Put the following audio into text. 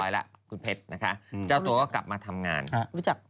แล้วคุณเพชรนะคะเจ้าตัวก็กลับมาทำงานรู้จัก